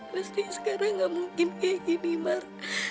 pasti sekarang gak mungkin kayak gini mar